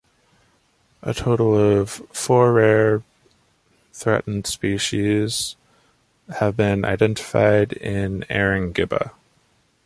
A total of four rare of threatened species have been identified in Erringibba.